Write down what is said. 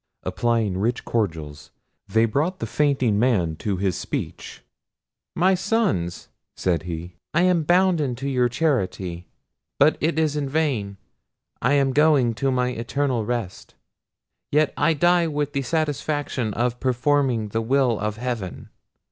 Applying rich cordials, they brought the fainting man to his speech. "My sons," said he, "I am bounden to your charity—but it is in vain—I am going to my eternal rest—yet I die with the satisfaction of performing the will of heaven.